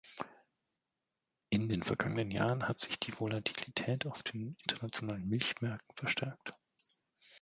In den vergangenen Jahren hat sich die Volatilität auf den internationalen Milchmärkten verstärkt.